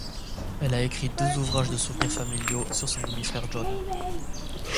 Elle a écrit deux ouvrages de souvenirs familiaux sur son demi-frère John.